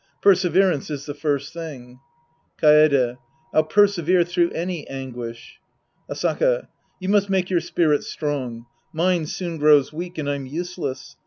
Per severance is the first thing. Kaede. I'll persevere through any anguish. Asaka. You must make your spirit strong. Mine soon grows weak and I'm useless.